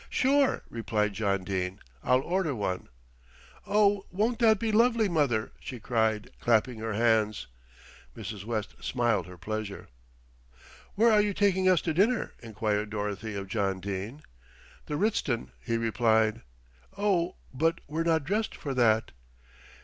"Sure," replied John Dene, "I'll order one." "Oh, won't that be lovely, mother!" she cried, clapping her hands. Mrs. West smiled her pleasure. "Where are you taking us to dinner?" enquired Dorothy of John Dene. "The Ritzton," he replied. "Oh, but we're not dressed for that!"